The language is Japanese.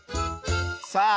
さあ